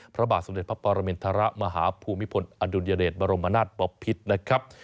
พระบาทสมเด็จพระปรมินทรมาฮภูมิพลอดุลยเดชบรมนาศปภิษนะครับ